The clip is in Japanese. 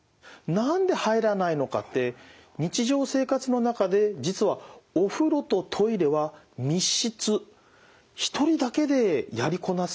何で入らないのかって日常生活の中で実はお風呂とトイレは密室１人だけでやりこなす